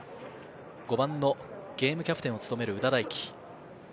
５番のゲームキャプテンを務める夘田大揮。